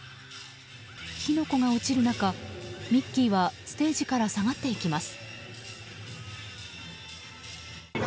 火の粉が落ちる中、ミッキーはステージから下がっていきます。